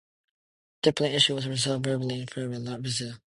The diplomatic issue was resolved favorably in favor of Brazil.